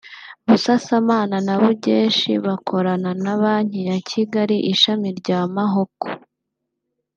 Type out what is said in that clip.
Busasamana na Bugeshi bakorana na Banki ya Kigali ishami rya Mahoko